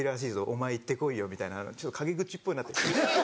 お前行ってこいよ」みたいなちょっと陰口っぽい。